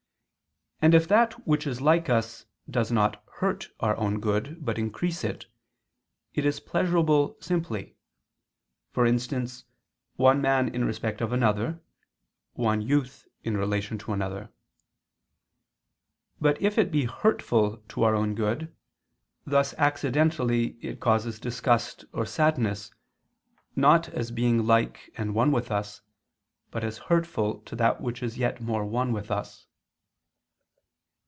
And if that which is like us does not hurt our own good, but increase it, it is pleasurable simply; for instance one man in respect of another, one youth in relation to another. But if it be hurtful to our own good, thus accidentally it causes disgust or sadness, not as being like and one with us, but as hurtful to that which is yet more one with us.